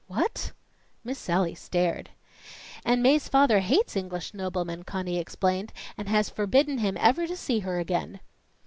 "What?" Miss Sallie stared. "And Mae's father hates English noblemen," Conny explained, "and has forbidden him ever to see her again."